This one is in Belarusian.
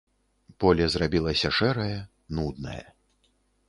Поле зрабілася шэрае, нуднае.